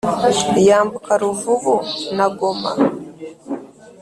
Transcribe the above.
yambuka ruvubu na goma